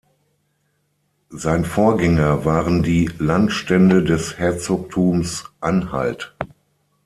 Sein Vorgänger waren die Landstände des Herzogtums Anhalt.